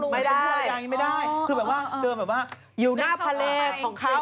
ไม่ได้ไม่ได้คือแบบว่าอยู่หน้าภาเลของเขา